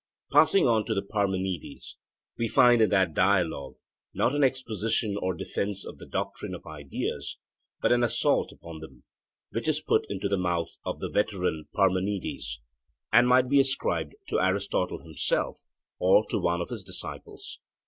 Passing on to the Parmenides, we find in that dialogue not an exposition or defence of the doctrine of ideas, but an assault upon them, which is put into the mouth of the veteran Parmenides, and might be ascribed to Aristotle himself, or to one of his disciples.